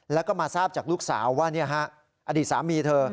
แล้วก็มาทราบจากลูกสาวว่าอดีตสามีเธอ